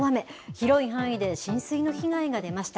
広い範囲で浸水の被害が出ました。